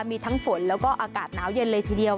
มีทั้งฝนแล้วก็อากาศหนาวเย็นเลยทีเดียว